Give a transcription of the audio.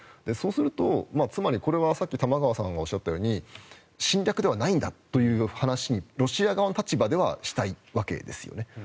そうすると、つまりこれはさっき玉川さんがおっしゃったように侵略ではないんだという話にロシア側の立場ではしたいんですね。